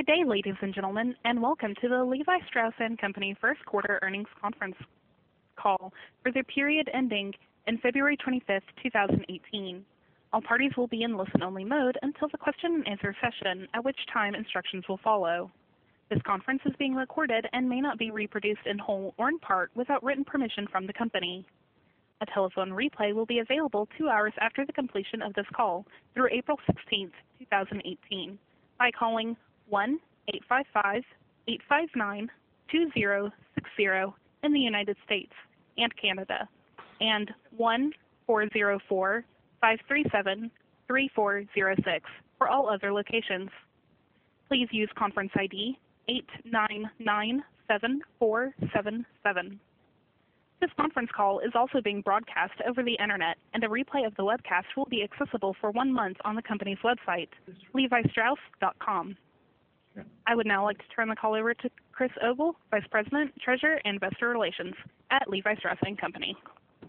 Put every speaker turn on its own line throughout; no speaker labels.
Good day, ladies and gentlemen. Welcome to the Levi Strauss & Co. first quarter earnings conference call for the period ending in February 25, 2018. All parties will be in listen only mode until the question and answer session, at which time instructions will follow. This conference is being recorded and may not be reproduced in whole or in part without written permission from the company. A telephone replay will be available 2 hours after the completion of this call through April 16th, 2018, by calling 1-855-859-2060 in the U.S. and Canada, and 1-404-537-3406 for all other locations. Please use conference ID 8997477. This conference call is also being broadcast over the internet. A replay of the webcast will be accessible for one month on the company's website, levistrauss.com. I would now like to turn the call over to Chris Ogle, Vice President, Treasurer, and Investor Relations at Levi Strauss & Co..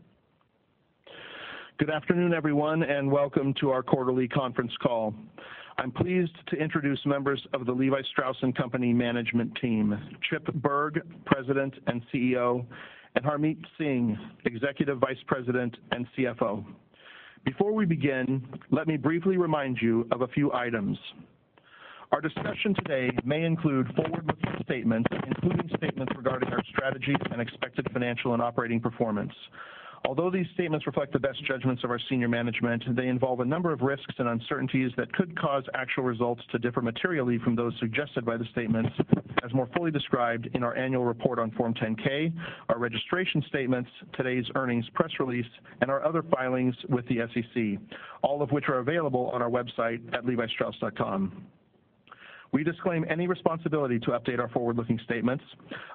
Good afternoon, everyone. Welcome to our quarterly conference call. I'm pleased to introduce members of the Levi Strauss & Co. management team, Chip Bergh, President and CEO, and Harmit Singh, Executive Vice President and CFO. Before we begin, let me briefly remind you of a few items. Our discussion today may include forward-looking statements, including statements regarding our strategy and expected financial and operating performance. Although these statements reflect the best judgments of our senior management, they involve a number of risks and uncertainties that could cause actual results to differ materially from those suggested by the statements, as more fully described in our annual report on Form 10-K, our registration statements, today's earnings press release, and our other filings with the SEC, all of which are available on our website at levistrauss.com. We disclaim any responsibility to update our forward-looking statements.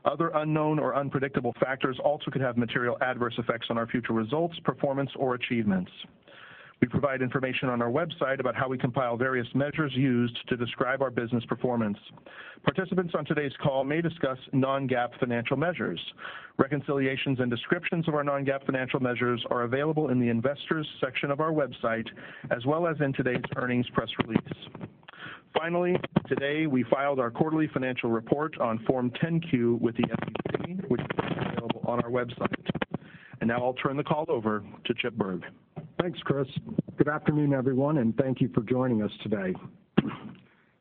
Other unknown or unpredictable factors also could have material adverse effects on our future results, performance, or achievements. We provide information on our website about how we compile various measures used to describe our business performance. Participants on today's call may discuss non-GAAP financial measures. Reconciliations and descriptions of our non-GAAP financial measures are available in the investors section of our website, as well as in today's earnings press release. Finally, today, we filed our quarterly financial report on Form 10-Q with the SEC, which is also available on our website. Now I'll turn the call over to Chip Bergh.
Thanks, Chris. Good afternoon, everyone, and thank you for joining us today.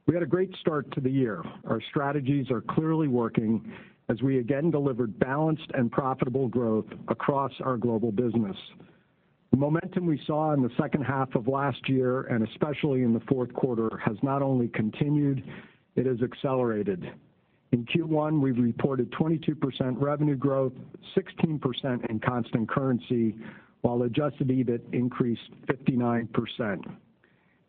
We had a great start to the year. Our strategies are clearly working as we again delivered balanced and profitable growth across our global business. The momentum we saw in the second half of last year, especially in the fourth quarter, has not only continued, it has accelerated. In Q1, we reported 22% revenue growth, 16% in constant currency, while adjusted EBIT increased 59%.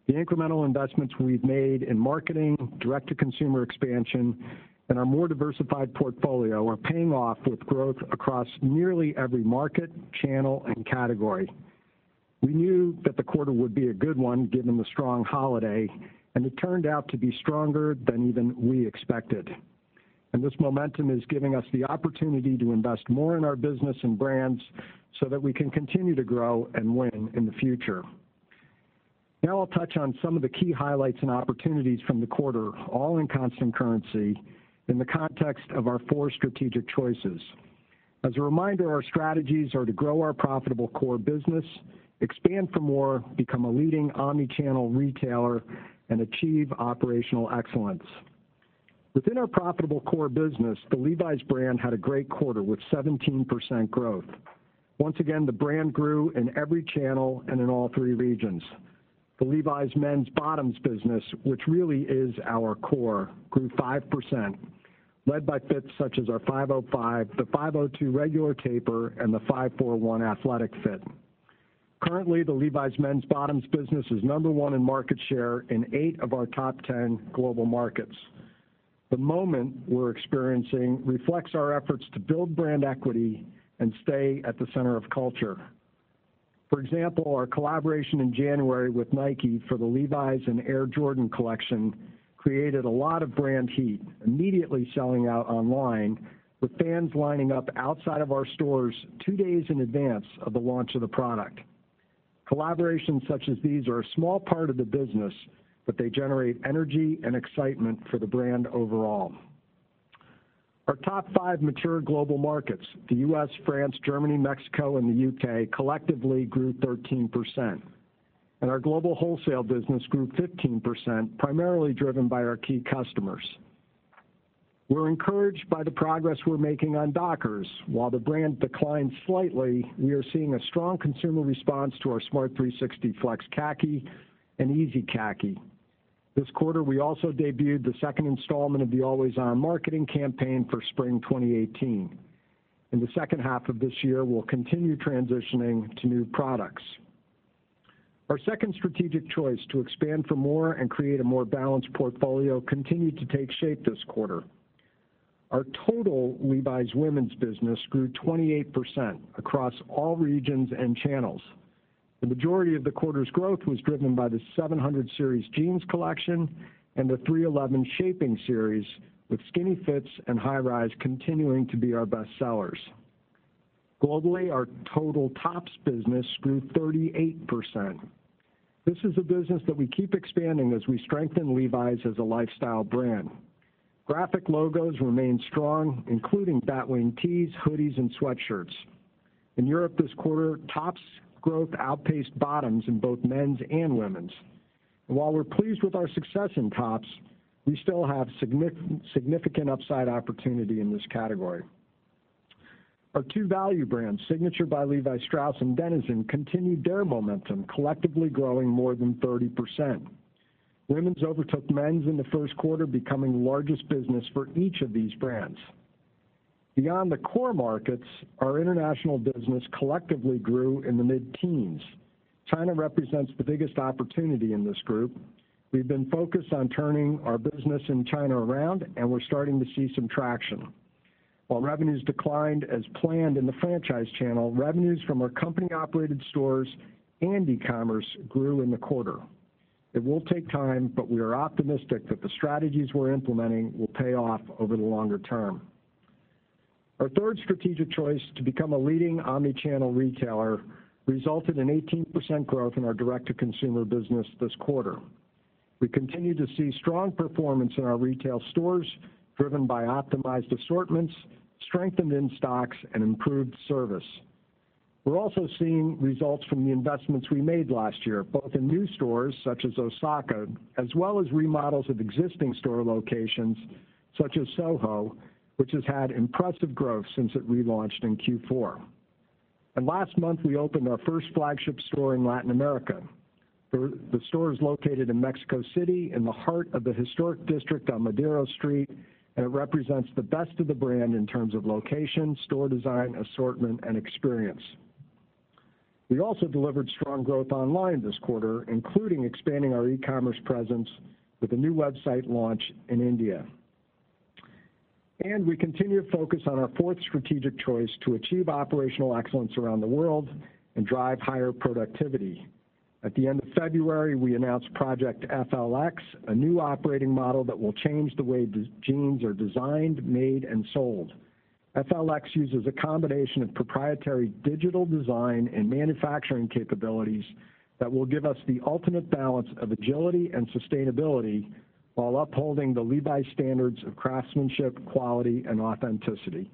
The incremental investments we made in marketing, direct-to-consumer expansion, and our more diversified portfolio are paying off with growth across nearly every market, channel and category. We knew that the quarter would be a good one given the strong holiday, it turned out to be stronger than even we expected. This momentum is giving us the opportunity to invest more in our business and brands so that we can continue to grow and win in the future. Now I'll touch on some of the key highlights and opportunities from the quarter, all in constant currency in the context of our four strategic choices. As a reminder, our strategies are to grow our profitable core business, expand for more, become a leading omni-channel retailer, and achieve operational excellence. Within our profitable core business, the Levi's brand had a great quarter with 17% growth. Once again, the brand grew in every channel and in all three regions. The Levi's men's bottoms business, which really is our core, grew 5%, led by fits such as our 505, the 502 regular taper, and the 541 athletic fit. Currently, the Levi's men's bottoms business is number one in market share in eight of our top 10 global markets. The moment we're experiencing reflects our efforts to build brand equity and stay at the center of culture. For example, our collaboration in January with Nike for the Levi's and Air Jordan collection created a lot of brand heat, immediately selling out online with fans lining up outside of our stores two days in advance of the launch of the product. Collaborations such as these are a small part of the business, but they generate energy and excitement for the brand overall. Our top five mature global markets, the U.S., France, Germany, Mexico, and the U.K., collectively grew 13%. Our global wholesale business grew 15%, primarily driven by our key customers. We're encouraged by the progress we're making on Dockers. While the brand declined slightly, we are seeing a strong consumer response to our Smart 360 Flex Khaki and Easy Khaki. This quarter, we also debuted the second installment of the Always On marketing campaign for spring 2018. In the second half of this year, we'll continue transitioning to new products. Our second strategic choice, to expand for more and create a more balanced portfolio, continued to take shape this quarter. Our total Levi's women's business grew 28% across all regions and channels. The majority of the quarter's growth was driven by the 700 Series jeans collection and the 311 Shaping Series, with skinny fits and high rise continuing to be our best sellers. Globally, our total tops business grew 38%. This is a business that we keep expanding as we strengthen Levi's as a lifestyle brand. Graphic logos remain strong, including Batwing tees, hoodies, and sweatshirts. In Europe this quarter, tops growth outpaced bottoms in both men's and women's. While we're pleased with our success in tops, we still have significant upside opportunity in this category. Our two value brands, Signature by Levi Strauss & Co. and dENiZEN, continued their momentum, collectively growing more than 30%. Women's overtook men's in the first quarter, becoming the largest business for each of these brands. Beyond the core markets, our international business collectively grew in the mid-teens. China represents the biggest opportunity in this group. We've been focused on turning our business in China around, we're starting to see some traction. While revenues declined as planned in the franchise channel, revenues from our company-operated stores and e-commerce grew in the quarter. It will take time, but we are optimistic that the strategies we're implementing will pay off over the longer term. Our third strategic choice, to become a leading omni-channel retailer, resulted in 18% growth in our direct-to-consumer business this quarter. We continue to see strong performance in our retail stores, driven by optimized assortments, strengthened in-stocks, and improved service. We're also seeing results from the investments we made last year, both in new stores such as Osaka, as well as remodels of existing store locations such as Soho, which has had impressive growth since it relaunched in Q4. Last month, we opened our first flagship store in Latin America. The store is located in Mexico City in the heart of the historic district on Madero Street, it represents the best of the brand in terms of location, store design, assortment, and experience. We also delivered strong growth online this quarter, including expanding our e-commerce presence with a new website launch in India. We continue to focus on our fourth strategic choice to achieve operational excellence around the world and drive higher productivity. At the end of February, we announced Project FLX, a new operating model that will change the way jeans are designed, made, and sold. FLX uses a combination of proprietary digital design and manufacturing capabilities that will give us the ultimate balance of agility and sustainability while upholding the Levi's standards of craftsmanship, quality, and authenticity.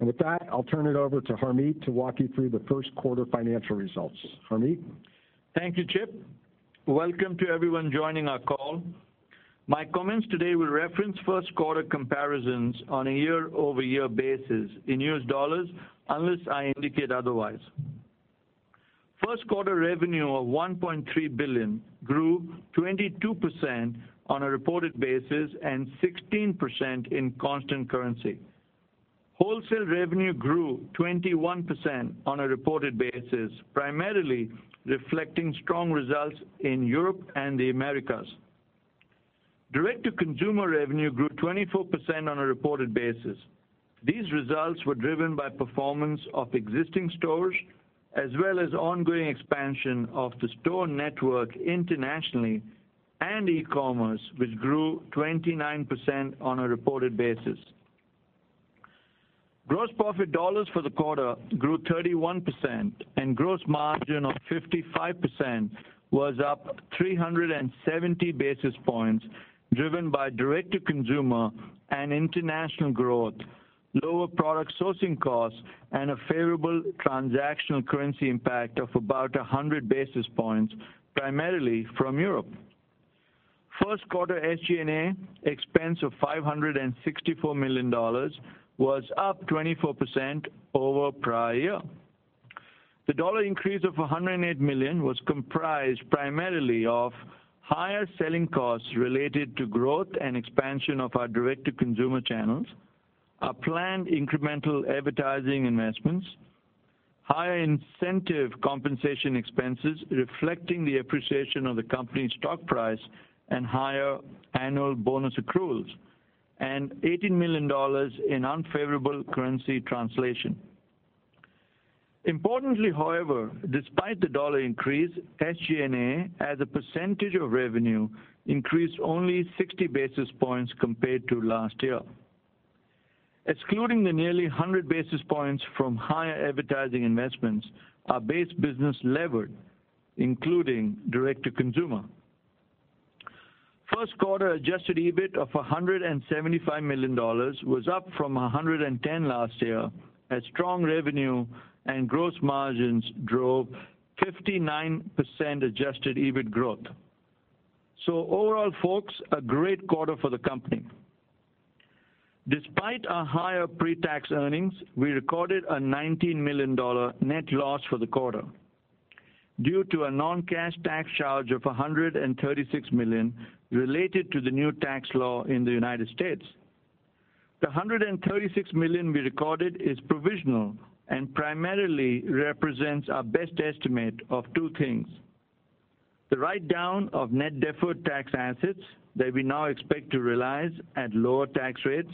With that, I'll turn it over to Harmit to walk you through the first quarter financial results. Harmit?
Thank you, Chip. Welcome to everyone joining our call. My comments today will reference first quarter comparisons on a year-over-year basis in U.S. dollars, unless I indicate otherwise. First quarter revenue of $1.3 billion grew 22% on a reported basis and 16% in constant currency. Wholesale revenue grew 21% on a reported basis, primarily reflecting strong results in Europe and the Americas. Direct-to-consumer revenue grew 24% on a reported basis. These results were driven by performance of existing stores, as well as ongoing expansion of the store network internationally and e-commerce, which grew 29% on a reported basis. Gross profit dollars for the quarter grew 31%, and gross margin of 55% was up 370 basis points, driven by direct-to-consumer and international growth, lower product sourcing costs, and a favorable transactional currency impact of about 100 basis points, primarily from Europe. First quarter SG&A expense of $564 million was up 24% over prior year. The dollar increase of $108 million was comprised primarily of higher selling costs related to growth and expansion of our direct-to-consumer channels, our planned incremental advertising investments, higher incentive compensation expenses reflecting the appreciation of the company's stock price, and higher annual bonus accruals, and $18 million in unfavorable currency translation. Importantly, however, despite the dollar increase, SG&A, as a percentage of revenue, increased only 60 basis points compared to last year. Excluding the nearly 100 basis points from higher advertising investments, our base business levered, including direct-to-consumer. First quarter adjusted EBIT of $175 million was up from $110 million last year, as strong revenue and gross margins drove 59% adjusted EBIT growth. Overall, folks, a great quarter for the company. Despite our higher pre-tax earnings, we recorded a $19 million net loss for the quarter due to a non-cash tax charge of $136 million related to the new tax law in the United States. The $136 million we recorded is provisional and primarily represents our best estimate of two things: The write-down of net deferred tax assets that we now expect to realize at lower tax rates,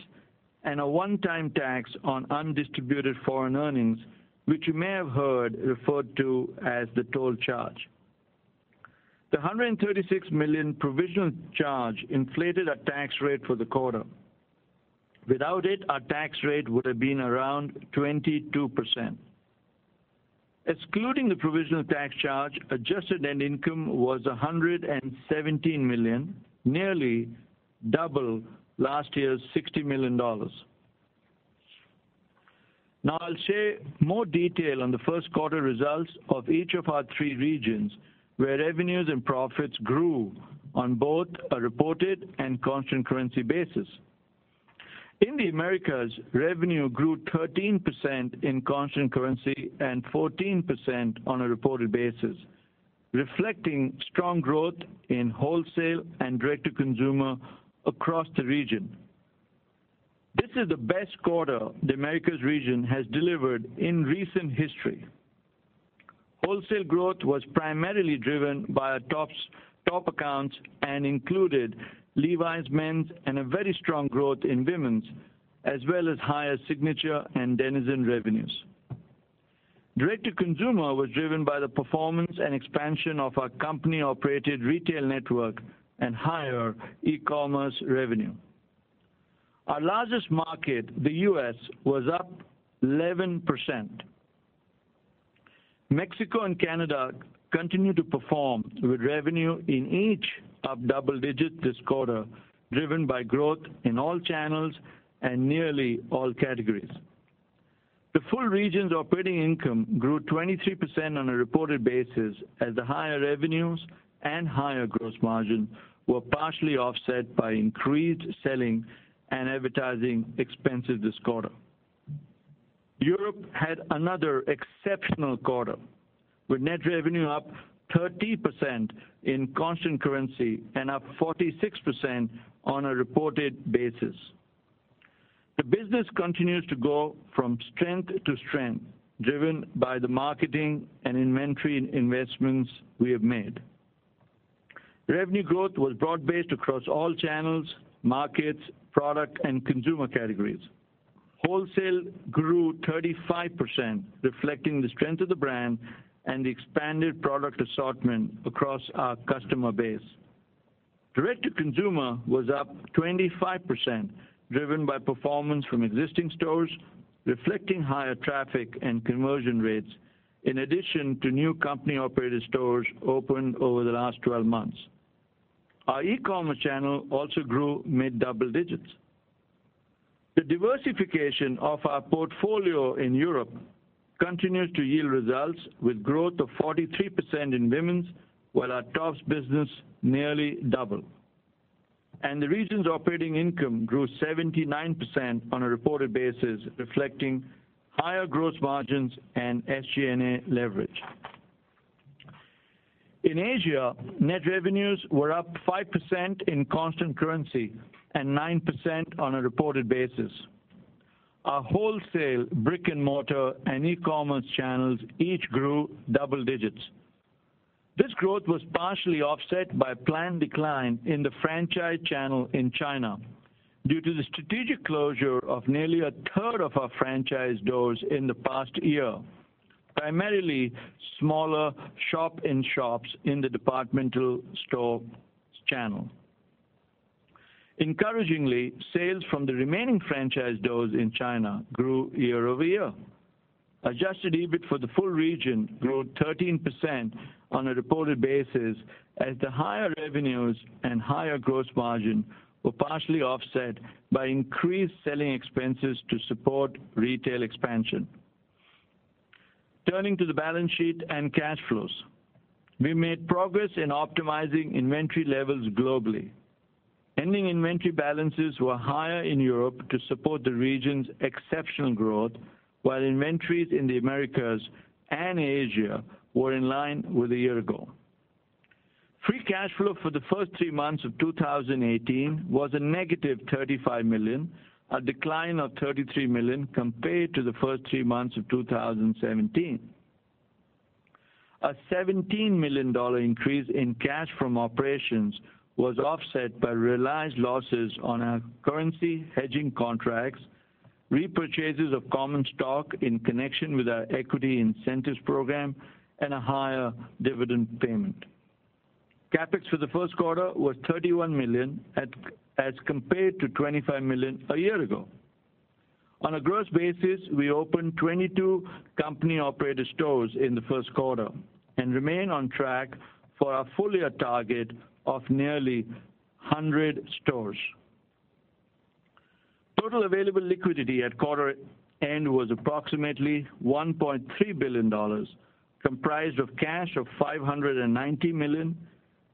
and a one-time tax on undistributed foreign earnings, which you may have heard referred to as the toll charge. The $136 million provisional charge inflated our tax rate for the quarter. Without it, our tax rate would have been around 22%. Excluding the provisional tax charge, adjusted net income was $117 million, nearly double last year's $60 million. I'll share more detail on the first quarter results of each of our three regions, where revenues and profits grew on both a reported and constant currency basis. In the Americas, revenue grew 13% in constant currency and 14% on a reported basis, reflecting strong growth in wholesale and direct-to-consumer across the region. This is the best quarter the Americas region has delivered in recent history. Wholesale growth was primarily driven by our top accounts and included Levi's men's and a very strong growth in women's, as well as higher Signature and dENiZEN revenues. Direct-to-consumer was driven by the performance and expansion of our company-operated retail network and higher e-commerce revenue. Our largest market, the U.S., was up 11%. Mexico and Canada continue to perform with revenue in each up double digits this quarter, driven by growth in all channels and nearly all categories. The full region's operating income grew 23% on a reported basis as the higher revenues and higher gross margin were partially offset by increased selling and advertising expenses this quarter. Europe had another exceptional quarter, with net revenue up 30% in constant currency and up 46% on a reported basis. The business continues to go from strength to strength, driven by the marketing and inventory investments we have made. Revenue growth was broad-based across all channels, markets, product, and consumer categories. Wholesale grew 35%, reflecting the strength of the brand and the expanded product assortment across our customer base. Direct-to-consumer was up 25%, driven by performance from existing stores, reflecting higher traffic and conversion rates, in addition to new company-operated stores opened over the last 12 months. Our e-commerce channel also grew mid double digits. The diversification of our portfolio in Europe continues to yield results with growth of 43% in women's, while our Tops business nearly doubled. The region's operating income grew 79% on a reported basis, reflecting higher gross margins and SG&A leverage. In Asia, net revenues were up 5% in constant currency and 9% on a reported basis. Our wholesale brick and mortar and e-commerce channels each grew double digits. This growth was partially offset by a planned decline in the franchise channel in China due to the strategic closure of nearly a third of our franchise doors in the past year, primarily smaller shop in shops in the departmental store channel. Encouragingly, sales from the remaining franchise doors in China grew year-over-year. Adjusted EBIT for the full region grew 13% on a reported basis as the higher revenues and higher gross margin were partially offset by increased selling expenses to support retail expansion. Turning to the balance sheet and cash flows. We made progress in optimizing inventory levels globally. Ending inventory balances were higher in Europe to support the region's exceptional growth, while inventories in the Americas and Asia were in line with a year ago. Free cash flow for the first three months of 2018 was -$35 million, a decline of $33 million compared to the first three months of 2017. A $17 million increase in cash from operations was offset by realized losses on our currency hedging contracts, repurchases of common stock in connection with our equity incentives program, and a higher dividend payment. CapEx for the first quarter was $31 million as compared to $25 million a year ago. On a gross basis, we opened 22 company-operated stores in the first quarter and remain on track for our full year target of nearly 100 stores. Total available liquidity at quarter end was approximately $1.3 billion, comprised of cash of $590 million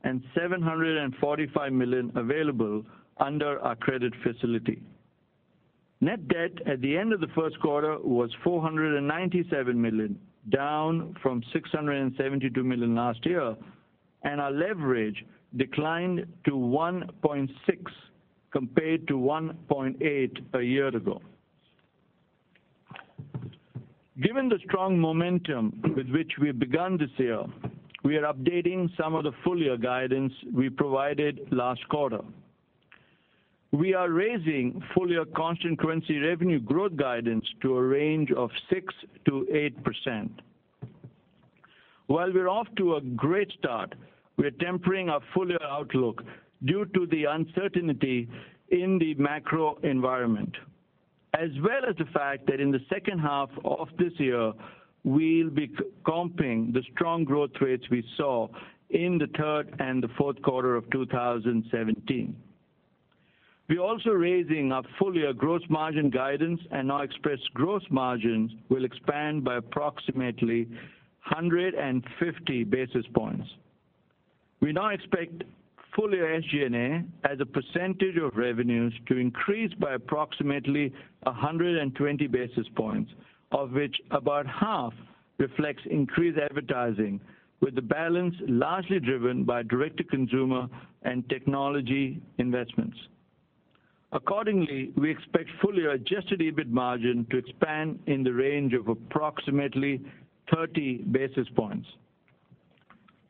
and $745 million available under our credit facility. Net debt at the end of the first quarter was $497 million, down from $672 million last year, and our leverage declined to 1.6 compared to 1.8 a year ago. Given the strong momentum with which we've begun this year, we are updating some of the full-year guidance we provided last quarter. We are raising full-year constant currency revenue growth guidance to a range of 6%-8%. While we are off to a great start, we are tempering our full-year outlook due to the uncertainty in the macro environment, as well as the fact that in the second half of this year, we'll be comping the strong growth rates we saw in the third and the fourth quarter of 2017. We are also raising our full-year gross margin guidance. Now express gross margins will expand by approximately 150 basis points. We now expect full-year SG&A as a percentage of revenues to increase by approximately 120 basis points, of which about half reflects increased advertising, with the balance largely driven by direct-to-consumer and technology investments. Accordingly, we expect full-year adjusted EBIT margin to expand in the range of approximately 30 basis points.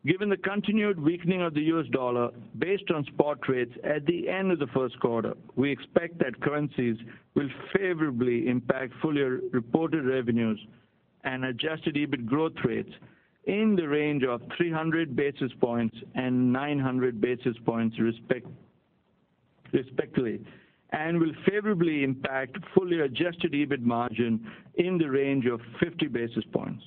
Given the continued weakening of the US dollar based on spot rates at the end of the first quarter, we expect that currencies will favorably impact full-year reported revenues and adjusted EBIT growth rates in the range of 300 basis points and 900 basis points respectively, and will favorably impact full-year adjusted EBIT margin in the range of 50 basis points.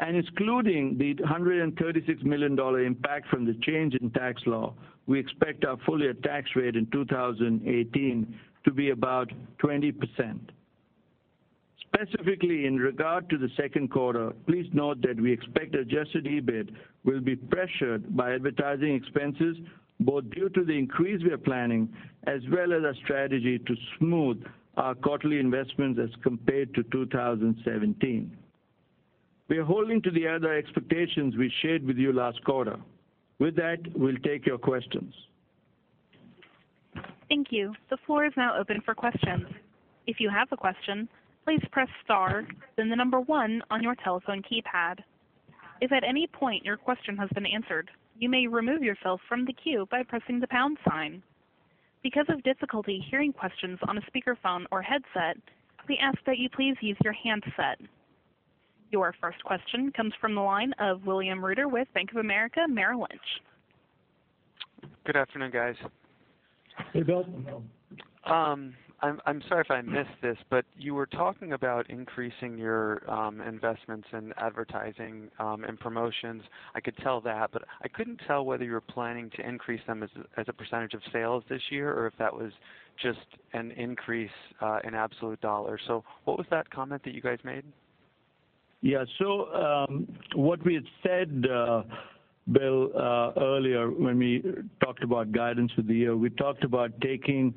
Excluding the $136 million impact from the change in tax law, we expect our full-year tax rate in 2018 to be about 20%. Specifically, in regard to the second quarter, please note that we expect adjusted EBIT will be pressured by advertising expenses, both due to the increase we are planning, as well as our strategy to smooth our quarterly investments as compared to 2017. We are holding to the other expectations we shared with you last quarter. With that, we will take your questions.
Thank you. The floor is now open for questions. If you have a question, please press star, then the number 1 on your telephone keypad. If at any point your question has been answered, you may remove yourself from the queue by pressing the pound sign. Because of difficulty hearing questions on a speakerphone or headset, we ask that you please use your handset. Your first question comes from the line of William Reuter with Bank of America Merrill Lynch.
Good afternoon, guys.
Hey, Bill.
I'm sorry if I missed this, you were talking about increasing your investments in advertising and promotions. I could tell that, I couldn't tell whether you were planning to increase them as a percentage of sales this year, or if that was just an increase in absolute dollars. What was that comment that you guys made?
Yeah. What we had said, Bill, earlier when we talked about guidance for the year, we talked about taking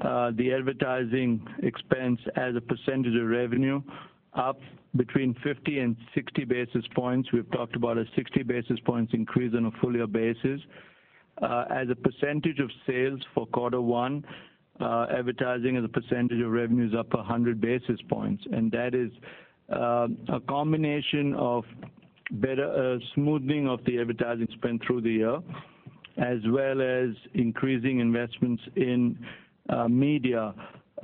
the advertising expense as a percentage of revenue up between 50 and 60 basis points. We've talked about a 60 basis points increase on a full-year basis. As a percentage of sales for quarter one, advertising as a percentage of revenue is up 100 basis points, that is a combination of better smoothing of the advertising spend through the year, as well as increasing investments in media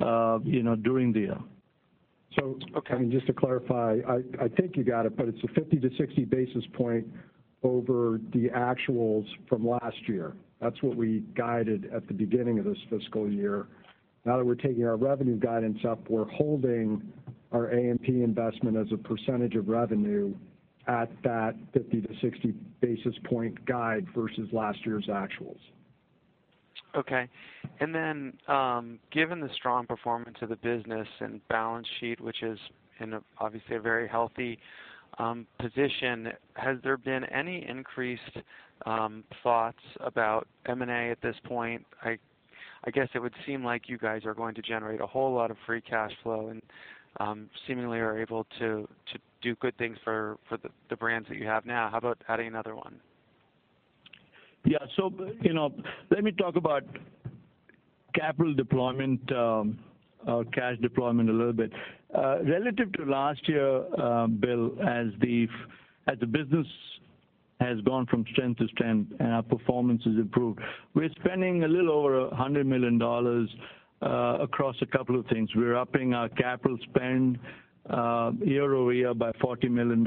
during the year.
Okay
Just to clarify, I think you got it's a 50 to 60 basis point over the actuals from last year. That's what we guided at the beginning of this fiscal year. Now that we're taking our revenue guidance up, we're holding our A&P investment as a percentage of revenue at that 50 to 60 basis point guide versus last year's actuals.
Okay. Given the strong performance of the business and balance sheet, which is in, obviously, a very healthy position, has there been any increased thoughts about M&A at this point? I guess it would seem like you guys are going to generate a whole lot of free cash flow and seemingly are able to do good things for the brands that you have now. How about adding another one?
Yeah. Let me talk about capital deployment, or cash deployment a little bit. Relative to last year, Bill, as the business has gone from strength to strength and our performance has improved, we're spending a little over $100 million across a couple of things. We're upping our capital spend year-over-year by $40 million.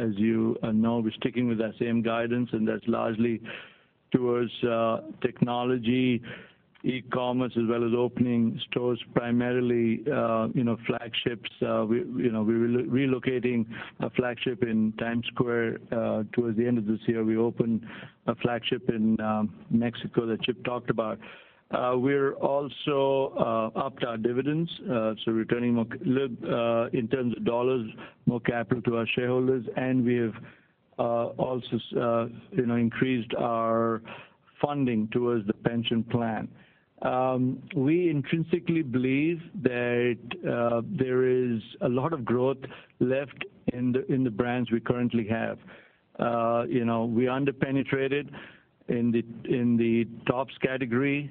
As you know, we're sticking with that same guidance, and that's largely towards technology, e-commerce, as well as opening stores, primarily flagships. We're relocating a flagship in Times Square towards the end of this year. We opened a flagship in Mexico that Chip talked about. We're also upped our dividends, so returning more, in terms of dollars, more capital to our shareholders, and we have also increased our funding towards the pension plan. We intrinsically believe that there is a lot of growth left in the brands we currently have. We under-penetrated in the tops category.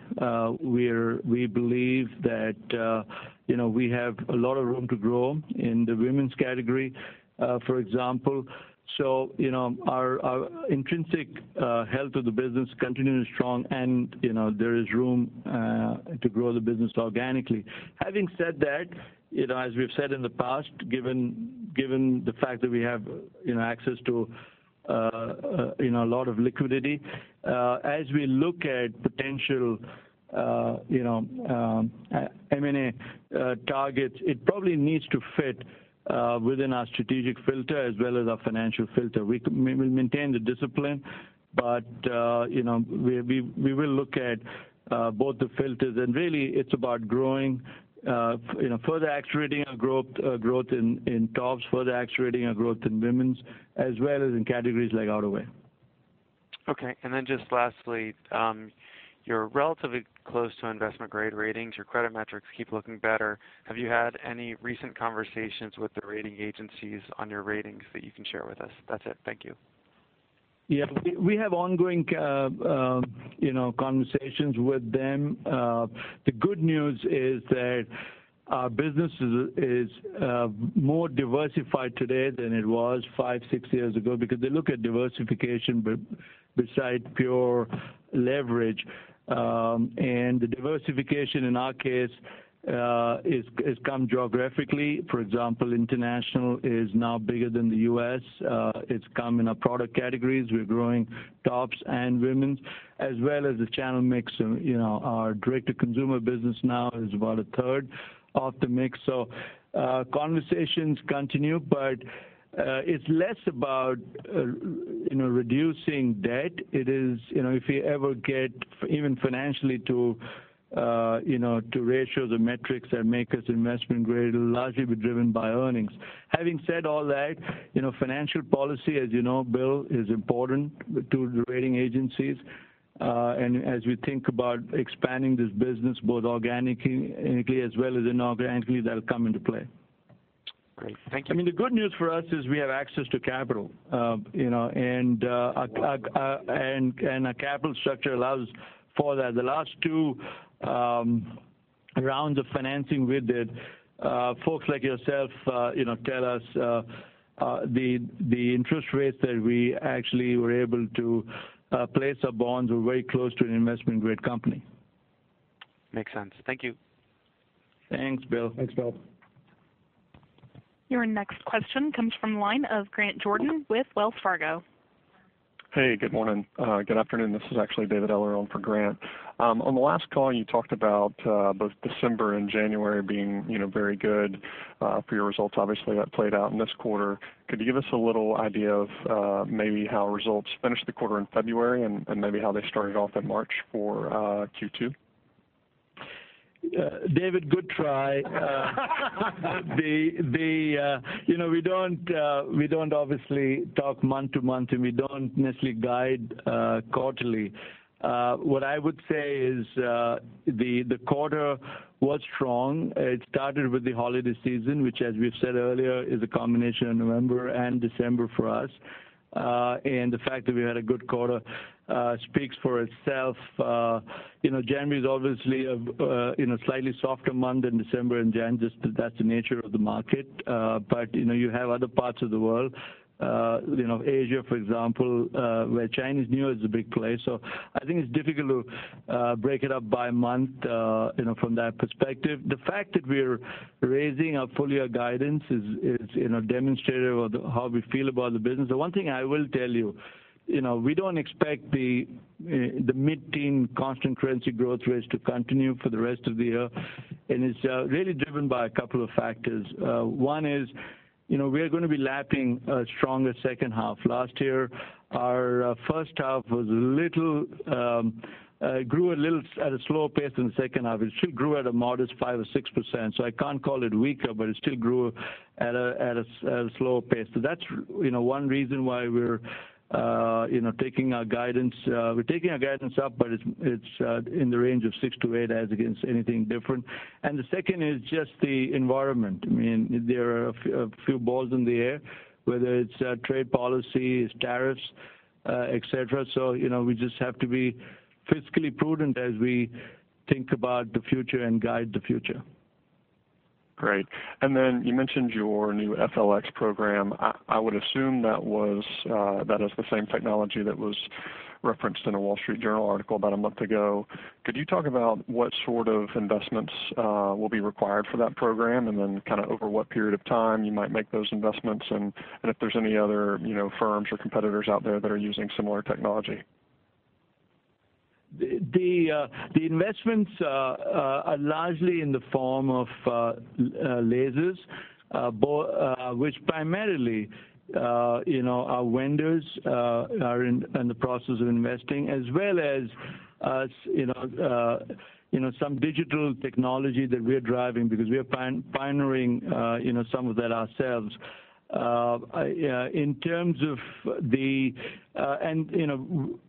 We believe that we have a lot of room to grow in the women's category, for example. Our intrinsic health of the business continues strong and there is room to grow the business organically. Having said that, as we've said in the past, given the fact that we have access to a lot of liquidity, as we look at potential M&A targets, it probably needs to fit within our strategic filter as well as our financial filter. We maintain the discipline, we will look at both the filters, and really it's about growing, further accelerating our growth in tops, further accelerating our growth in women's, as well as in categories like outerwear.
Just lastly, you're relatively close to investment-grade ratings. Your credit metrics keep looking better. Have you had any recent conversations with the rating agencies on your ratings that you can share with us? That's it. Thank you.
Yeah. We have ongoing conversations with them. The good news is that our business is more diversified today than it was five, six years ago because they look at diversification beside pure leverage. The diversification in our case has come geographically. For example, international is now bigger than the U.S. It's come in our product categories. We're growing tops and women's, as well as the channel mix. Our direct-to-consumer business now is about a third of the mix. Conversations continue, it's less about reducing debt. If we ever get even financially to ratios or metrics that make us investment-grade, it'll largely be driven by earnings. Having said all that, financial policy, as you know, Bill, is important to the rating agencies. As we think about expanding this business, both organically as well as inorganically, that'll come into play.
Great. Thank you.
The good news for us is we have access to capital. Our capital structure allows for that. The last two rounds of financing we did, folks like yourself tell us the interest rates that we actually were able to place our bonds were very close to an investment-grade company.
Makes sense. Thank you.
Thanks, Bill.
Thanks, Bill.
Your next question comes from the line of Grant Jordan with Wells Fargo.
Hey, good morning. Good afternoon. This is actually David Eller on for Grant. On the last call, you talked about both December and January being very good for your results. Obviously, that played out in this quarter. Could you give us a little idea of maybe how results finished the quarter in February and maybe how they started off in March for Q2?
David, good try. We don't obviously talk month to month, and we don't necessarily guide quarterly. What I would say is the quarter was strong. It started with the holiday season, which, as we've said earlier, is a combination of November and December for us. The fact that we had a good quarter speaks for itself. January is obviously a slightly softer month than December and Jan, just that's the nature of the market. You have other parts of the world, Asia, for example, where Chinese New is a big play. I think it's difficult to break it up by month from that perspective. The fact that we're raising our full-year guidance is demonstrative of how we feel about the business. The one thing I will tell you, we don't expect the mid-teen constant currency growth rates to continue for the rest of the year. It's really driven by a couple of factors. One is, we are going to be lapping a stronger second half. Last year, our first half grew at a slower pace than the second half. It still grew at a modest 5% or 6%, so I can't call it weaker, but it still grew at a slower pace. That's one reason why we're taking our guidance up, but it's in the range of 6% to 8% as against anything different. The second is just the environment. There are a few balls in the air, whether it's trade policy, it's tariffs, et cetera. We just have to be fiscally prudent as we think about the future and guide the future.
Great. You mentioned your new Project FLX. I would assume that is the same technology that was referenced in a Wall Street Journal article about a month ago. Could you talk about what sort of investments will be required for that program, then over what period of time you might make those investments and if there's any other firms or competitors out there that are using similar technology?
The investments are largely in the form of lasers, which primarily our vendors are in the process of investing, as well as some digital technology that we are driving because we are pioneering some of that ourselves. In terms of the,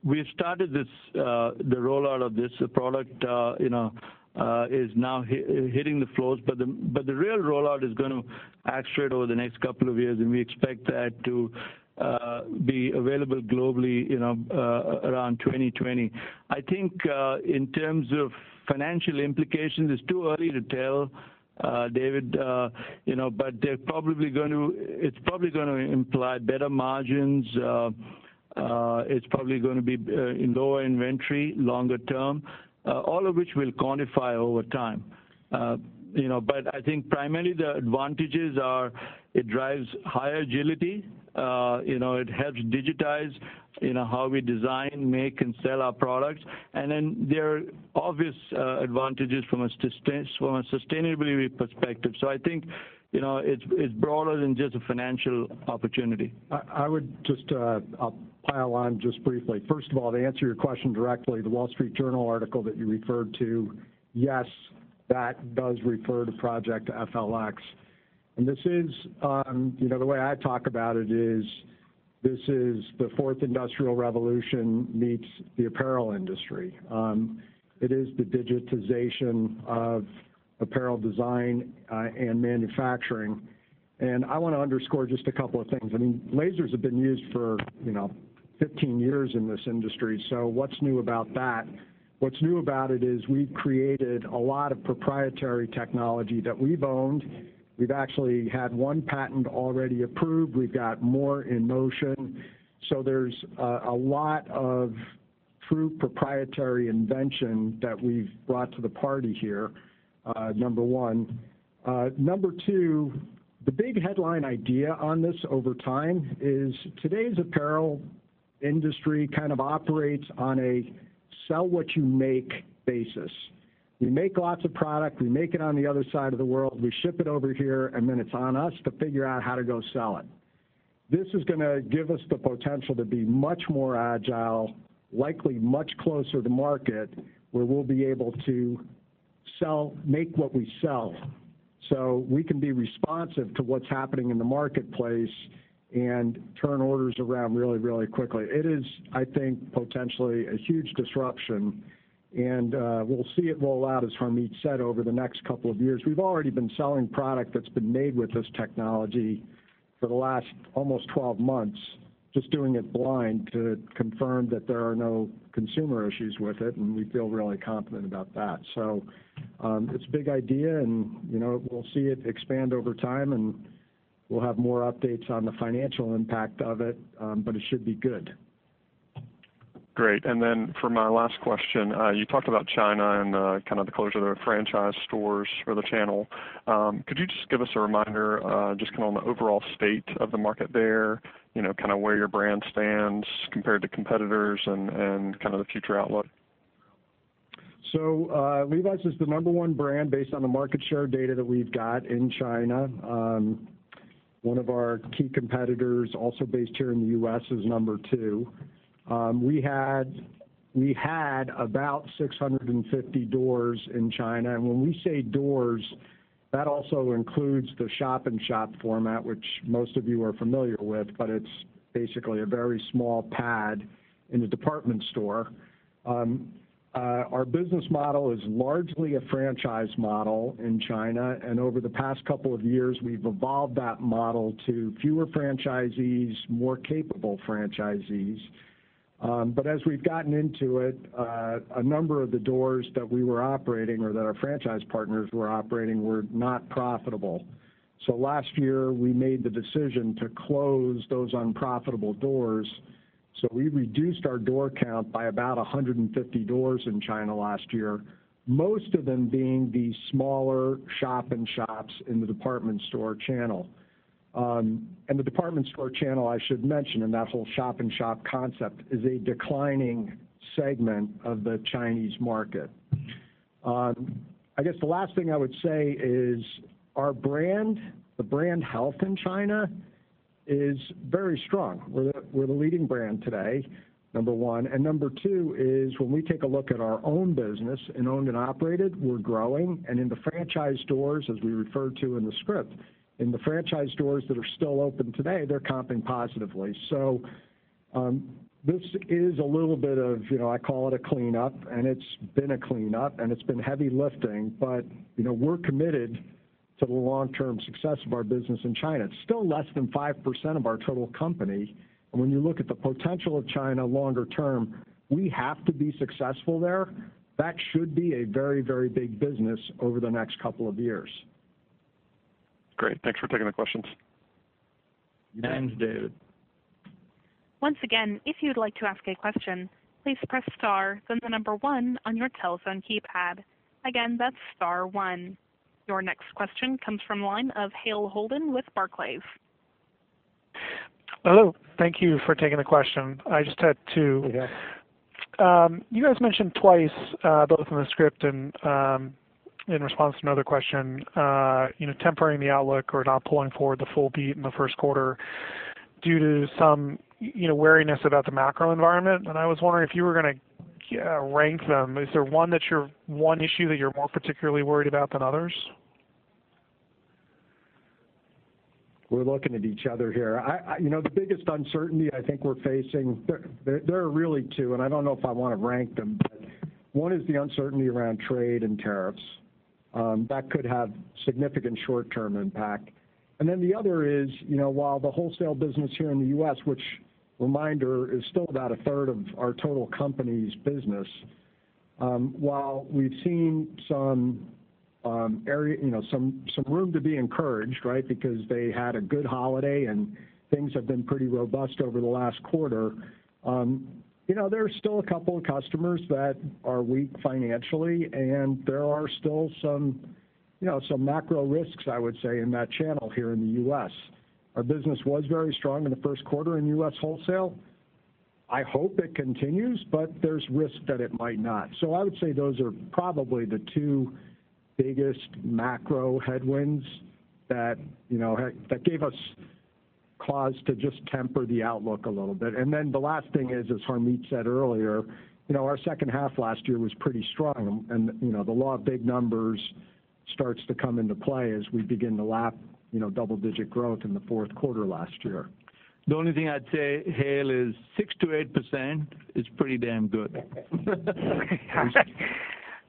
we've started the rollout of this product is now hitting the floors, but the real rollout is going to accelerate over the next couple of years, and we expect that to be available globally around 2020. I think, in terms of financial implications, it's too early to tell, David, but it's probably going to imply better margins. It's probably going to be lower inventory longer term, all of which we'll quantify over time. I think primarily the advantages are it drives higher agility, it helps digitize how we design, make, and sell our products. There are obvious advantages from a sustainability perspective. I think it's broader than just a financial opportunity.
I'll pile on just briefly. First of all, to answer your question directly, the Wall Street Journal article that you referred to, yes, that does refer to Project FLX. The way I talk about it is this is the fourth industrial revolution meets the apparel industry. It is the digitization of apparel design and manufacturing. I want to underscore just a couple of things. I mean, lasers have been used for 15 years in this industry. What's new about that? What's new about it is we've created a lot of proprietary technology that we've owned. We've actually had one patent already approved. We've got more in motion. There's a lot of true proprietary invention that we've brought to the party here, number one. Number two, the big headline idea on this over time is today's apparel industry kind of operates on a sell what you make basis. We make lots of product. We make it on the other side of the world. We ship it over here, then it's on us to figure out how to go sell it. This is going to give us the potential to be much more agile, likely much closer to market, where we'll be able to make what we sell. We can be responsive to what's happening in the marketplace and turn orders around really quickly. It is, I think, potentially a huge disruption, we'll see it roll out, as Harmit said, over the next couple of years. We've already been selling product that's been made with this technology for the last almost 12 months, just doing it blind to confirm that there are no consumer issues with it, we feel really confident about that. It's a big idea, we'll see it expand over time, we'll have more updates on the financial impact of it. It should be good.
Great. Then for my last question, you talked about China and kind of the closure of the franchise stores for the channel. Could you just give us a reminder, just on the overall state of the market there, kind of where your brand stands compared to competitors and the future outlook?
Levi's is the number 1 brand based on the market share data that we've got in China. One of our key competitors, also based here in the U.S., is number 2. We had about 650 doors in China, and when we say doors, that also includes the shop-in-shop format, which most of you are familiar with, but it's basically a very small pad in a department store. Our business model is largely a franchise model in China, and over the past couple of years, we've evolved that model to fewer franchisees, more capable franchisees. As we've gotten into it, a number of the doors that we were operating or that our franchise partners were operating were not profitable. Last year, we made the decision to close those unprofitable doors. We reduced our door count by about 150 doors in China last year. Most of them being the smaller shop-in-shops in the department store channel. The department store channel, I should mention, and that whole shop-in-shop concept, is a declining segment of the Chinese market. I guess the last thing I would say is our brand, the brand health in China is very strong. We're the leading brand today, number 1. Number 2 is when we take a look at our own business in owned and operated, we're growing. In the franchise stores, as we referred to in the script, in the franchise stores that are still open today, they're comping positively. This is a little bit of, I call it a cleanup, and it's been a cleanup, and it's been heavy lifting. We're committed to the long-term success of our business in China. It's still less than 5% of our total company. When you look at the potential of China longer term, we have to be successful there. That should be a very big business over the next couple of years.
Great. Thanks for taking the questions.
You bet. Thanks, David.
Once again, if you'd like to ask a question, please press star, then the number one on your telephone keypad. Again, that's star one. Your next question comes from the line of Hale Holden with Barclays.
Hello. Thank you for taking the question. I just had two.
Yeah.
You guys mentioned twice, both in the script and in response to another question, tempering the outlook or not pulling forward the full beat in the first quarter. Due to some wariness about the macro environment. I was wondering if you were going to rank them. Is there one issue that you're more particularly worried about than others?
We're looking at each other here. The biggest uncertainty I think we're facing, there are really two, and I don't know if I want to rank them, but one is the uncertainty around trade and tariffs. That could have significant short-term impact. The other is, while the wholesale business here in the U.S., which, reminder, is still about 1/3 of our total company's business. While we've seen some room to be encouraged, right? Because they had a good holiday, and things have been pretty robust over the last quarter. There are still a couple of customers that are weak financially, and there are still some macro risks, I would say, in that channel here in the U.S. Our business was very strong in the first quarter in U.S. wholesale. I hope it continues, but there's risk that it might not. I would say those are probably the two biggest macro headwinds that gave us cause to just temper the outlook a little bit. The last thing is, as Harmit said earlier, our second half last year was pretty strong, and the law of big numbers starts to come into play as we begin to lap double-digit growth in the fourth quarter last year.
The only thing I'd say, Hale, is 6%-8% is pretty damn good.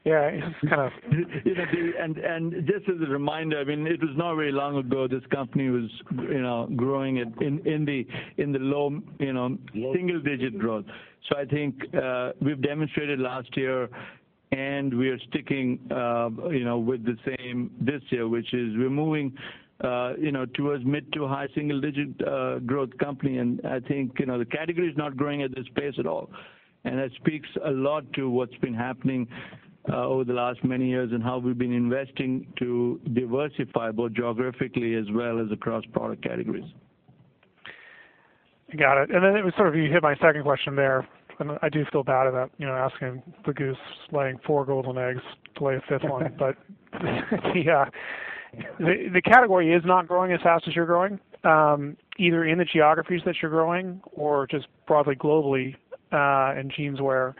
Yeah. It's kind of
Just as a reminder, it was not very long ago this company was growing in the low single-digit growth. I think we've demonstrated last year, and we're sticking with the same this year, which is we're moving towards mid to high single-digit growth company. I think the category is not growing at this pace at all, and that speaks a lot to what's been happening over the last many years and how we've been investing to diversify both geographically as well as across product categories.
Got it. You hit my second question there, I do feel bad about asking the goose laying four golden eggs to lay a fifth one. The category is not growing as fast as you're growing, either in the geographies that you're growing or just broadly globally in jeanswear.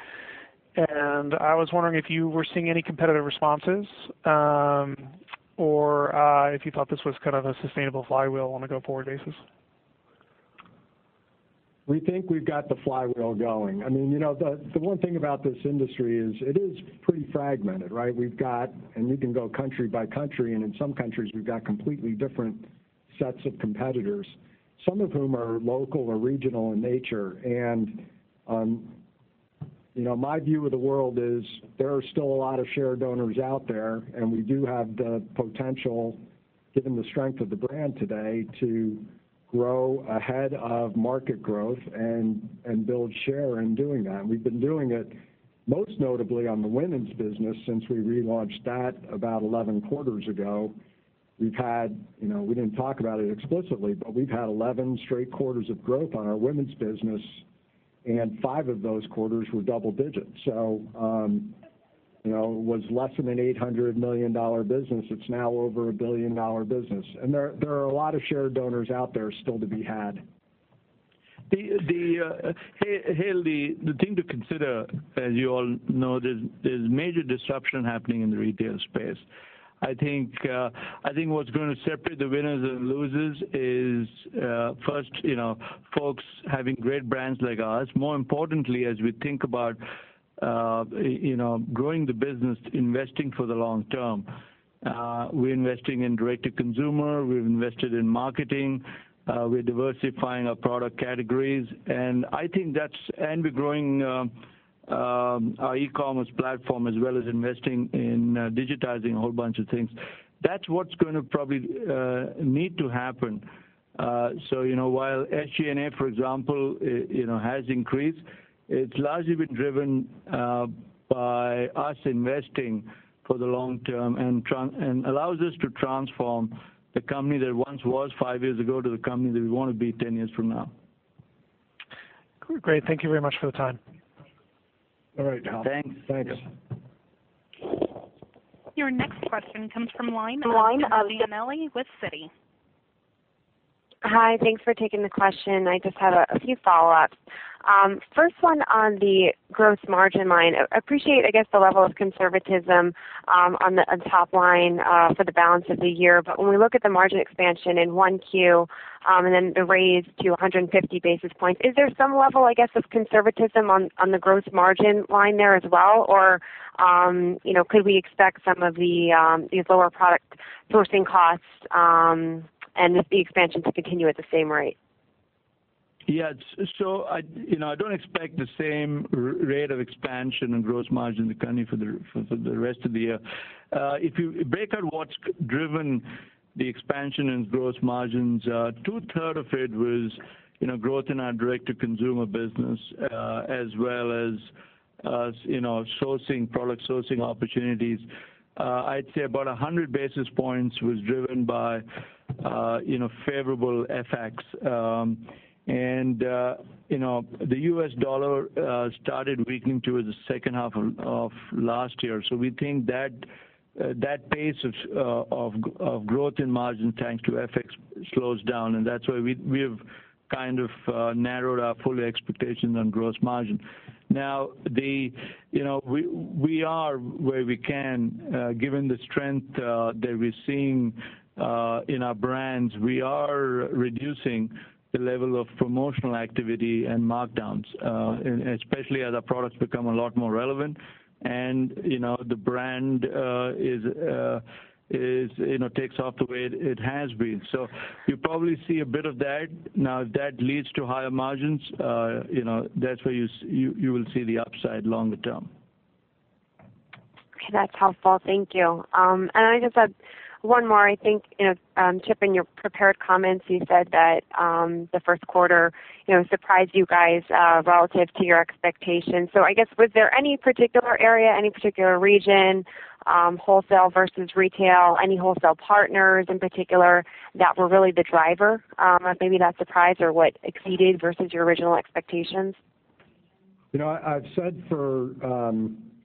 I was wondering if you were seeing any competitive responses, or if you thought this was a sustainable flywheel on a go-forward basis.
We think we've got the flywheel going. The one thing about this industry is it is pretty fragmented, right? You can go country by country, and in some countries we've got completely different sets of competitors, some of whom are local or regional in nature. My view of the world is there are still a lot of share donors out there, and we do have the potential, given the strength of the brand today, to grow ahead of market growth and build share in doing that. We've been doing it most notably on the women's business since we relaunched that about 11 quarters ago. We didn't talk about it explicitly, but we've had 11 straight quarters of growth on our women's business, and five of those quarters were double digits. It was less than an $800 million business. It's now over a billion-dollar business. There are a lot of share donors out there still to be had.
Hale, the thing to consider, as you all know, there's major disruption happening in the retail space. I think what's going to separate the winners and losers is first, folks having great brands like ours. More importantly, as we think about growing the business, investing for the long term. We're investing in direct-to-consumer, we've invested in marketing, we're diversifying our product categories. We're growing our e-commerce platform as well as investing in digitizing a whole bunch of things. That's what's going to probably need to happen. While SG&A, for example, has increased, it's largely been driven by us investing for the long term and allows us to transform the company that once was five years ago to the company that we want to be 10 years from now.
Great. Thank you very much for the time.
All right, Hale. Thanks. Thanks.
Your next question comes from line of Giannelli with Citi.
Hi, thanks for taking the question. I just had a few follow-ups. First one on the gross margin line. I appreciate, I guess, the level of conservatism on the top line for the balance of the year. When we look at the margin expansion in 1Q, then the raise to 150 basis points, is there some level, I guess, of conservatism on the gross margin line there as well? Could we expect some of these lower product sourcing costs and the expansion to continue at the same rate?
Yes. I don't expect the same rate of expansion and gross margin to continue for the rest of the year. If you break out what's driven the expansion in gross margins, two-third of it was growth in our direct-to-consumer business, as well as product sourcing opportunities. I'd say about 100 basis points was driven by favorable FX. The U.S. dollar started weakening towards the second half of last year. We think that pace of growth in margin thanks to FX slows down, and that's why we have kind of narrowed our full-year expectations on gross margin. Now, we are where we can given the strength that we're seeing in our brands. We are reducing the level of promotional activity and markdowns, especially as our products become a lot more relevant and the brand takes off the way it has been. You probably see a bit of that. If that leads to higher margins, that's where you will see the upside longer term.
That's helpful. Thank you. I just had one more. I think, Chip, in your prepared comments, you said that the first quarter surprised you guys relative to your expectations. I guess, was there any particular area, any particular region, wholesale versus retail, any wholesale partners in particular that were really the driver of maybe that surprise or what exceeded versus your original expectations?
I've said for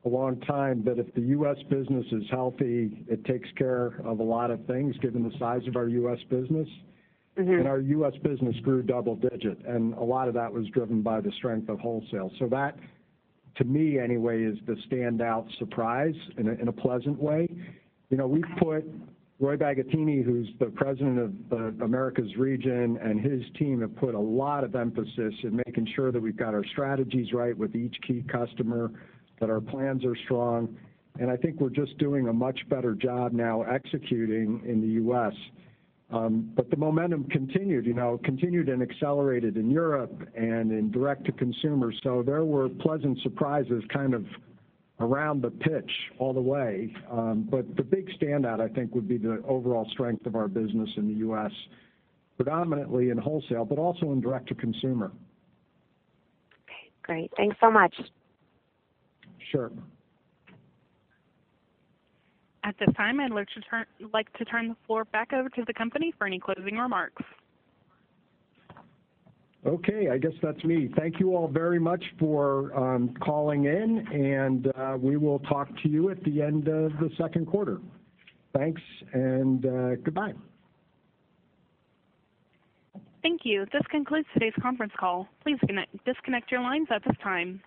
a long time that if the U.S. business is healthy, it takes care of a lot of things given the size of our U.S. business. Our U.S. business grew double digit, and a lot of that was driven by the strength of wholesale. That, to me anyway, is the standout surprise in a pleasant way. We put Roy Bagattini, who's the president of the Americas region, and his team have put a lot of emphasis in making sure that we've got our strategies right with each key customer, that our plans are strong, and I think we're just doing a much better job now executing in the U.S. The momentum continued and accelerated in Europe and in direct-to-consumer. There were pleasant surprises kind of around the pitch all the way. The big standout, I think, would be the overall strength of our business in the U.S., predominantly in wholesale, but also in direct-to-consumer.
Okay, great. Thanks so much.
Sure.
At this time, I'd like to turn the floor back over to the company for any closing remarks.
Okay. I guess that's me. Thank you all very much for calling in, and we will talk to you at the end of the second quarter. Thanks and goodbye.
Thank you. This concludes today's conference call. Please disconnect your lines at this time.